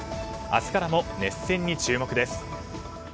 明日からも熱戦に注目です。